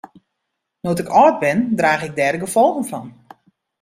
No't ik âld bin draach ik dêr de gefolgen fan.